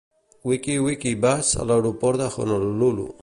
Wiki-Wiki Bus a l'aeroport de Honolulu